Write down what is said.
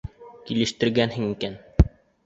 Килештергәнһең икән.